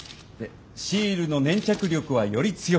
シールの粘着力はより強く！